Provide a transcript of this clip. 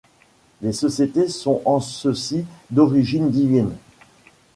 Les Sociétés sont en ceci d’origine divine.